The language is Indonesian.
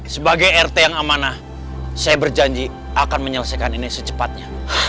sebagai rt yang amanah saya berjanji akan menyelesaikan ini secepatnya